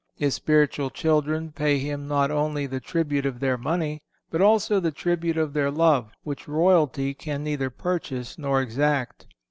His spiritual children pay him not only the tribute of their money, but also the tribute of their love which royalty can neither purchase nor exact.